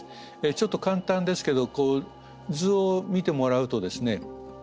ちょっと簡単ですけど図を見てもらうとですね